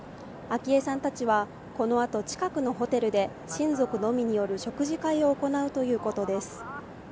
昭恵さんたちはこのあと、近くのホテルで親族のみによる食事会を行うということです。